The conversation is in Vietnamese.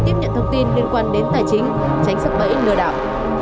tiếp nhận thông tin liên quan đến tài chính tránh sập bẫy lừa đảo